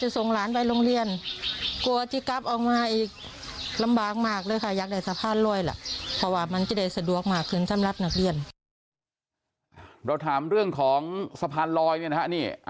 สะพานลอยเราถามเรื่องของสะพานลอยเนี่ยนะฮะ